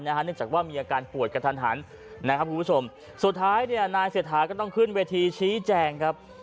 เนื่องจากว่ามีอาการปวดกระทันสุดท้ายนายเศรษฐาก็ต้องขึ้นเวทีชี้แจง